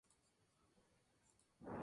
Esto representa la simetría local de Lorentz.